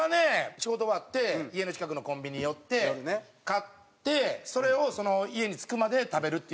仕事終わって家の近くのコンビニ寄って買ってそれを家に着くまで食べるっていう。